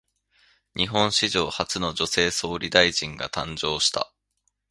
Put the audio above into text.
日本史上初の女性総理大臣が誕生した。